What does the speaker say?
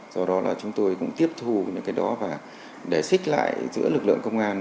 do đó là chúng tôi cũng tiếp thu những cái đó và để xích lại giữa lực lượng công an